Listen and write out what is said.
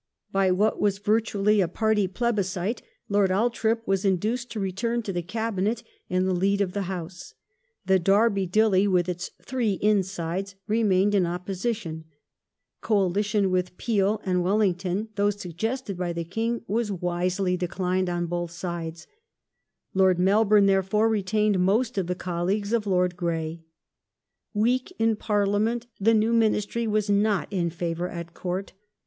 By what was virtually a party plebiscite Lord Althorp was induced to return to the Cabinet and the lead of the House; the " Derby Dilly " with its "three insides" remained in opposition ; coalition with Peel and Wellington though suggested by the King was wisely declined on both sides ; Lord Melbourne, therefore, retained most of the colleagues of Lord Grey. Weak in Parliament the new Ministry was not in favour at Court.